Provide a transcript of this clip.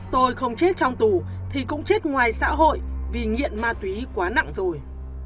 tôi không chết trong tù thì cũng chết ngoài xã hội vì nghiện ma túy quá nặng rồi